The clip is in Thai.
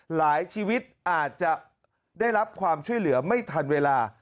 ชีวิตอาจจะได้รับความช่วยเหลือไม่ทันเวลา